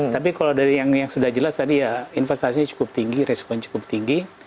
tapi kalau dari yang sudah jelas tadi ya investasinya cukup tinggi respon cukup tinggi